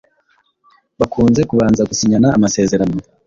bakunze kubanza gusinyana amasezerano